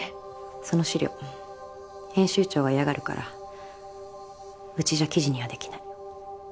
その資料編集長が嫌がるからうちじゃ記事にはできない。